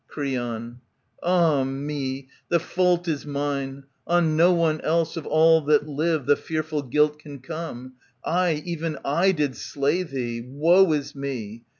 Creon. Ah me ! The fault is mine. On no one else, Of all that live, the fearful guilt can come ; I, even I, did slay thee, woe is me